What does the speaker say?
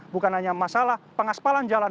bukan hanya masalah pengaspalan jalan